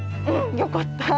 よかった！